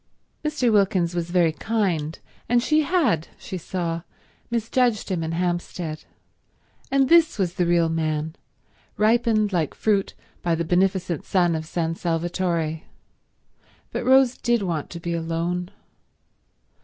Mr. Wilkins was very kind, and she had, she saw, misjudged him in Hampstead, and this was the real man, ripened like fruit by the beneficent sun of San Salvatore, but Rose did want to be alone.